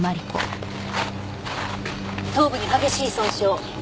頭部に激しい損傷。